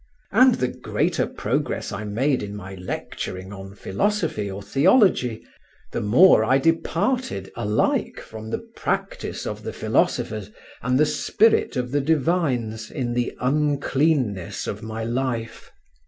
And the greater progress I made in my lecturing on philosophy or theology, the more I departed alike from the practice of the philosophers and the spirit of the divines in the uncleanness of my life.